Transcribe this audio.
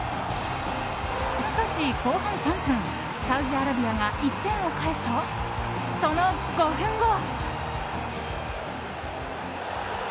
しかし後半３分サウジアラビアが１点を返すとその５分後。